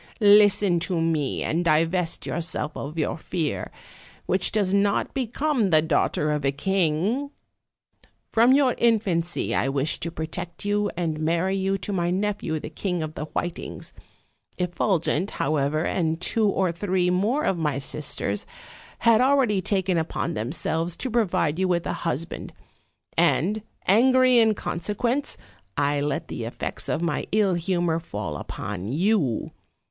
Listen to me, and divest yourself of your fear, which does not become the daughter of a king. From your infancy I wished to protect you and marry you to my nephew, the King of the Whitings; Effulgent, how ever, and two or three more of my sisters, had already taken upon themselves to provide you with a husband; and, angry in consequence, I let the effects of my ill humor fall upon you.